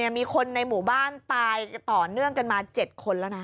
มีคนในหมู่บ้านตายต่อเนื่องกันมา๗คนแล้วนะ